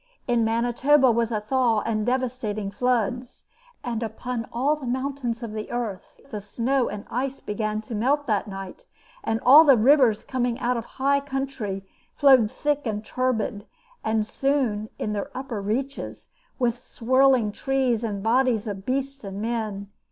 In Manitoba was a thaw and devastating floods. And upon all the mountains of the earth the snow and ice began to melt that night, and all the rivers coming out of high country flowed thick and turbid, and soon in their upper reaches with swirling trees and the bodies of beasts and men.